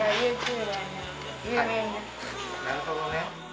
なるほどね。